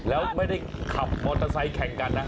แล้วไม่ได้ขับมอเตอร์ไซค์แข่งกันนะ